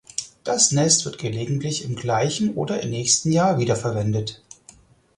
Das Nest wird gelegentlich im gleichen oder nächsten Jahr wiederverwendet.